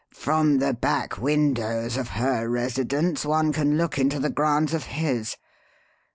From the back windows of her residence one can look into the grounds of his.